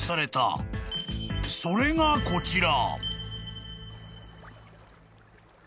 ［それがこちら］